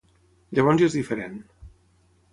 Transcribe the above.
Llavors ja és diferent.